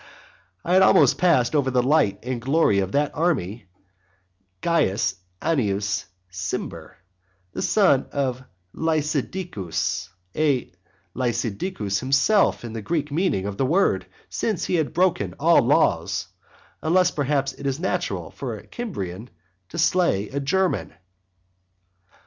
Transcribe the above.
I had almost passed over the light and glory of that army, Caius Annius Cimber, the son of Lysidicus, a Lysidicus himself in the Greek meaning of the word, since he has broken all laws, unless perhaps it is natural for a Cimbrian to slay a German?